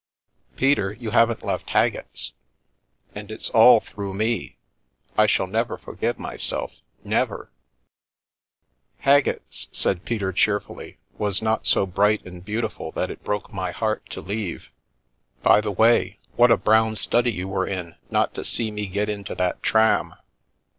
" Peter, you haven't left Haggett's ? And it's all through me ! I shall never forgive myself, never !"" Haggett's," said Peter cheerfully, " was not so bright and beautiful that it broke my heart to leave. By the way, what a brown study you were in not to see me get into that tram.